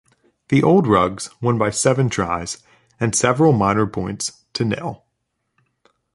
The Old Rugs won by seven tries and several minor points to nil.